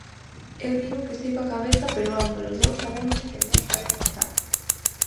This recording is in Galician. Eu digo que si coa cabeza pero ámbolos dous sabemos que non faremos tal.